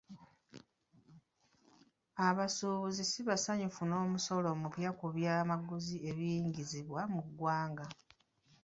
Abasuubuzi si basanyufu n'omusolo omupya ku byamaguzi ebiyingizibwa mu ggwanga.